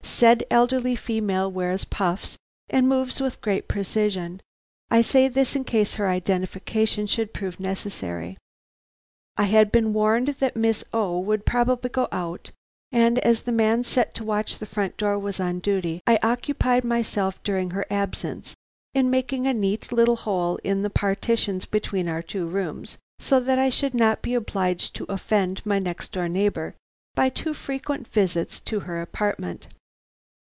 Said elderly female wears puffs, and moves with great precision. I say this in case her identification should prove necessary. "I had been warned that Miss O. would probably go out, and as the man set to watch the front door was on duty, I occupied myself during her absence in making a neat little hole in the partitions between our two rooms, so that I should not be obliged to offend my next door neighbor by too frequent visits to her apartment.